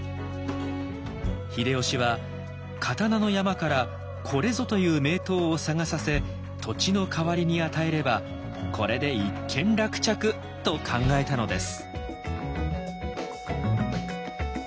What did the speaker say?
秀吉は刀の山からこれぞという名刀を探させ土地の代わりに与えればこれで一件落着と考えたのです。